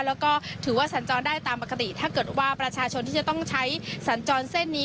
แล้วก็ถือว่าสัญจรได้ตามปกติถ้าเกิดว่าประชาชนที่จะต้องใช้สัญจรเส้นนี้